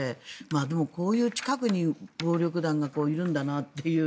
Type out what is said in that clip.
でも、こういう近くに暴力団がいるんだなという。